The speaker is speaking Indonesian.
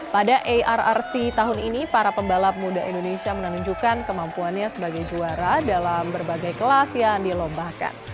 pada arrc tahun ini para pembalap muda indonesia menunjukkan kemampuannya sebagai juara dalam berbagai kelas yang dilombakan